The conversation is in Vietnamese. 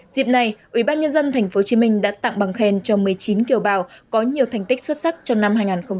dịp này ủy ban nhân dân tp hcm đã tặng bằng khen cho một mươi chín kiều bào có nhiều thành tích xuất sắc trong năm hai nghìn một mươi tám